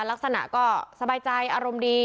ลักษณะก็สบายใจอารมณ์ดี